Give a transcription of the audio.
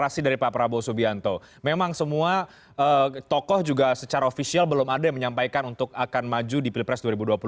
memang semua tokoh juga secara ofisial belum ada yang menyampaikan untuk akan maju di pilpres dua ribu dua puluh empat